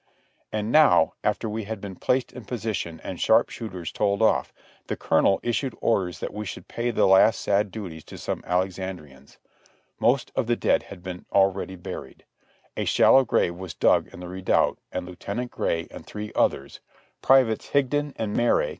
And now after we had been placed in position and sharp shooters told off, the Colonel issued orders that we should pay the last sad duties to some Alexandrians. Most of the dead had been already buried. A shallow grave was dug in the redoubt and the: next day 149 Lieut, Gray and three others, privates Higdon and Marray, Co.